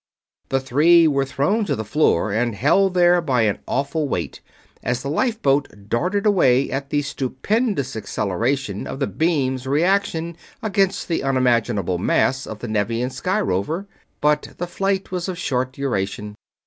The three were thrown to the floor and held there by an awful weight as the lifeboat darted away at the stupendous acceleration of the beam's reaction against the unimaginable mass of the Nevian sky rover; but the flight was of short duration.